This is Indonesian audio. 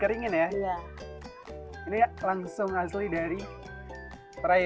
seru sangat saat terjual rumput laut di minyak